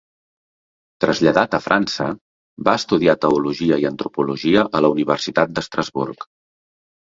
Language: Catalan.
Traslladat a França, va estudiar Teologia i Antropologia a la Universitat d'Estrasburg.